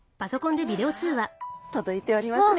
あっ届いておりますね。